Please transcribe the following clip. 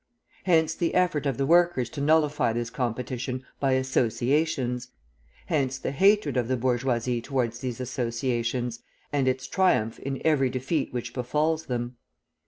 Hence the effort of the workers to nullify this competition by associations, hence the hatred of the bourgeoisie towards these associations, and its triumph in every defeat which befalls them.